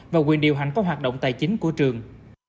và quyền điều hành các hoạt động tài chính của trường